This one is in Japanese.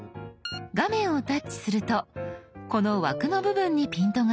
画面をタッチするとこの枠の部分にピントが合います。